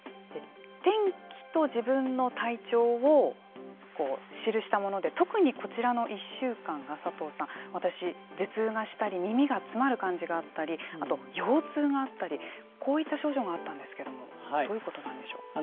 天気と自分の体調を記したもので特に、こちらの１週間が私、頭痛がしたり耳が詰まる感じがしたりあと、腰痛があったりこういった症状があったんですけどもどういうことなんでしょう。